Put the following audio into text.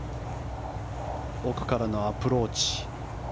奥からのアプローチ。